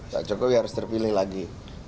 pak jokowi harus terpilih lagi